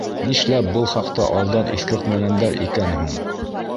Нишләп был хаҡта алдан иҫкәртмәгәндәр икән һуң?